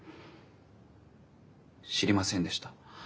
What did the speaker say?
知りませんでした。